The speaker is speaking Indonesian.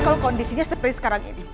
kalau kondisinya seperti sekarang ini